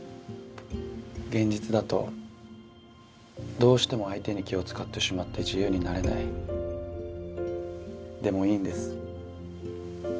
現実だとどうしても相手に気を使ってしまって自由になれないでもいいんです